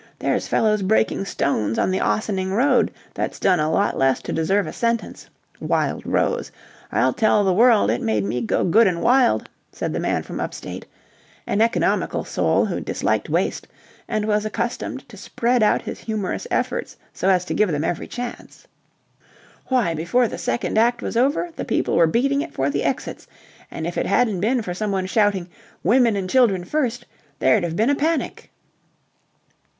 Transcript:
There's fellows breaking stones on the Ossining Road that's done a lot less to deserve a sentence. Wild Rose! I'll tell the world it made me go good and wild," said the man from up state, an economical soul who disliked waste and was accustomed to spread out his humorous efforts so as to give them every chance. "Why, before the second act was over, the people were beating it for the exits, and if it hadn't been for someone shouting 'Women and children first' there'd have been a panic."